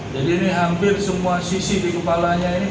jadi ini hampir semua sisi di kepalanya ini